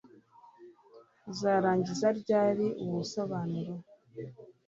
Uzarangiza ryari ubu busobanuro